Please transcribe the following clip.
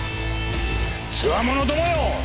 つわものどもよ。